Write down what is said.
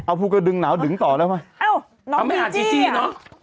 เอาภูกระดึงหนาวดึงต่อแล้วไหมเอ้าน้องจี้อ่ะ